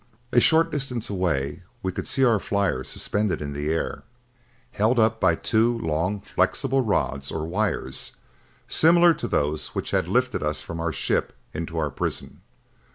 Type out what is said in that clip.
A short distance away we could see our flyer suspended in the air, held up by two long flexible rods or wires similar to those which had lifted us from our ship into our prison.